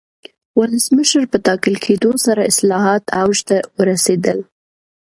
ولسمشر په ټاکل کېدو سره اصلاحات اوج ته ورسېدل.